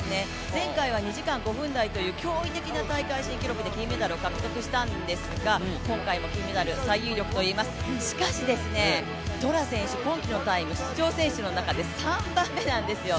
前回は２時間５分台という驚異的な大会新記録で金メダルを獲得したんですが今回も、金メダル最有力といえますただしかし、トラ選手、タイムが出場選手の中で３番目なんですよ。